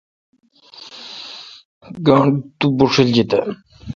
کاٹو بوݭلجیت۔